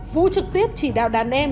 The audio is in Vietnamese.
vũ trực tiếp chỉ đạo đàn em